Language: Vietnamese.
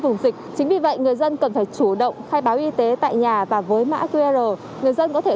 vùng dịch chính vì vậy người dân cần phải chủ động khai báo y tế tại nhà và với mã qr người dân có thể